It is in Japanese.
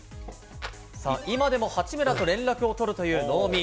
さあ、今でも八村と連絡を取るという納見。